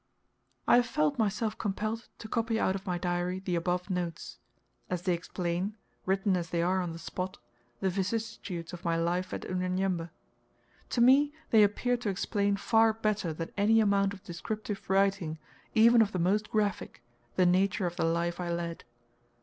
I have felt myself compelled to copy out of my Diary the above notes, as they explain, written as they are on the spot, the vicissitudes of my "Life at Unyanyembe." To me they appear to explain far better than any amount of descriptive writing, even of the most graphic, the nature of the life I led.